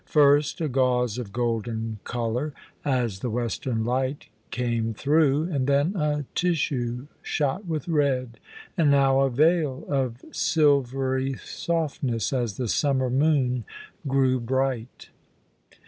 First, a gauze of golden colour, as the western light came through, and then a tissue shot with red, and now a veil of silvery softness, as the summer moon grew bright.